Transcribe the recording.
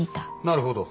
なるほど。